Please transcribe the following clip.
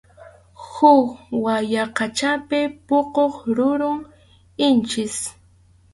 Huk wayaqachapi puquq rurum inchik.